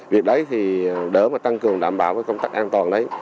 việc đấy thì đỡ mà tăng cường đảm bảo công tác an toàn đấy